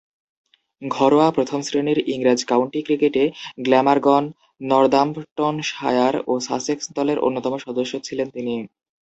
ঘরোয়া প্রথম-শ্রেণীর ইংরেজ কাউন্টি ক্রিকেটে গ্ল্যামারগন, নর্দাম্পটনশায়ার ও সাসেক্স দলের অন্যতম সদস্য ছিলেন তিনি।